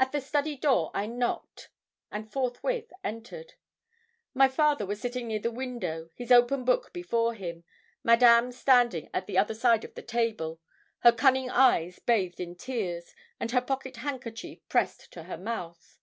At the study door I knocked, and forthwith entered. My father was sitting near the window, his open book before him, Madame standing at the other side of the table, her cunning eyes bathed in tears, and her pocket handkerchief pressed to her mouth.